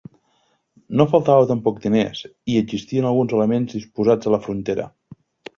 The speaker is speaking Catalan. No faltava tampoc diners i existien alguns elements disposats a la frontera.